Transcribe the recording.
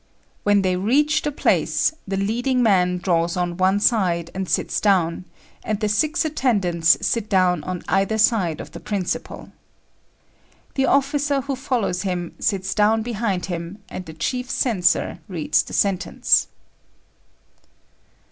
When they reach the place, the leading man draws on one side and sits down, and the six attendants sit down on either side of the principal. The officer who follows him sits down behind him, and the chief censor reads the sentence.